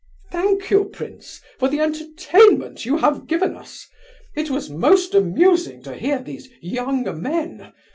Thank you, prince, for the entertainment you have given us! It was most amusing to hear these young men...